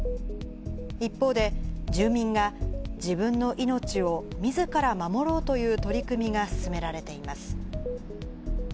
一方で、住民が自分の命をみずから守ろうという取り組みが進められています。